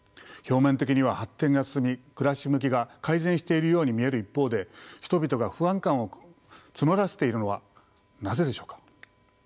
表面的には発展が進み暮らし向きが改善しているように見える一方で人々が不安感を募らせているのはなぜでしょうか？